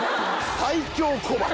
最強小鉢。